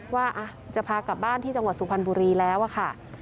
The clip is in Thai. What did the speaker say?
ว่าจะพากลับบ้านที่จังหวัดสุพรรณบุรีแล้วอะค่ะ